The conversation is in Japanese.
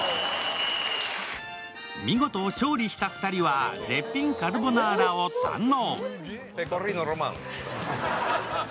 見事勝利した２人は絶品カルボナーラを堪能。